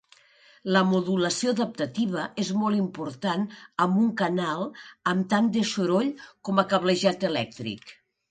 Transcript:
La modulació adaptativa és molt important amb un canal amb tant de soroll com a cablejat elèctric.